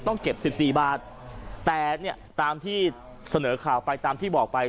ต้องเก็บ๑๔บาทแต่เนี่ยตามที่เสนอข่าวไปตามที่บอกไป